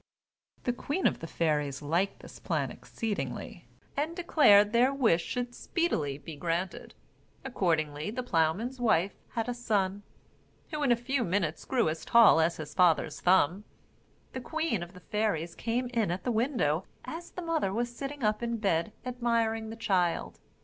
The queen of the fairies liked the plan exceedingly, and declared their wish should speedily be granted. Accordingly the ploughman's wife had a son, who in a few minutes grew as tall as his father's thumb. The queen of the fairies came in at the window as the mother was sitting up in bed admiring the child.